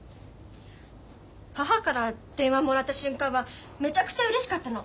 母から電話もらった瞬間はめちゃくちゃうれしかったの。